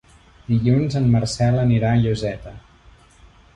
Dilluns en Marcel anirà a Lloseta.